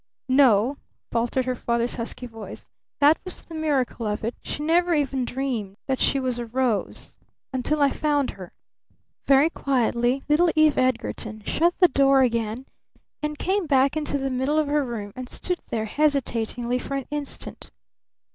"N o," faltered her father's husky voice. "That was the miracle of it. She never even dreamed that she was a rose until I found her." Very quietly little Eve Edgarton shut the door again and came back into the middle of her room and stood there hesitatingly for an instant.